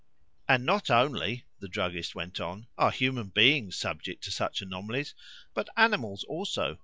"And not only," the druggist went on, "are human beings subject to such anomalies, but animals also.